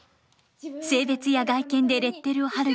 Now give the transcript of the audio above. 性別や外見でレッテル貼る